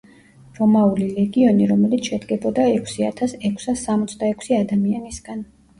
რომაული ლეგიონი, რომელიც შედგებოდა ექვსი ათას ექვსას სამოცდაექვსი ადამიანისგან.